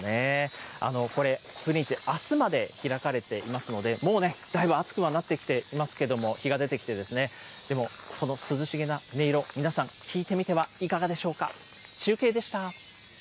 これ、風鈴市、あすまで開かれていますので、もうね、だいぶ暑くはなってきていますけれども、日が出てきて、でも、この涼しげな音色、皆さん聞いてみてはいかがでしょうか。